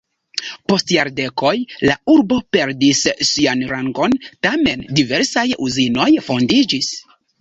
Post jardekoj la urbo perdis sian rangon, tamen diversaj uzinoj fondiĝis.